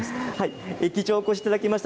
駅長にお越しいただきました。